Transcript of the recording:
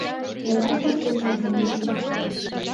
— Молан поктен наҥгаеныт?